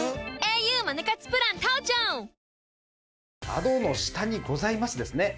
窓の下にございますですね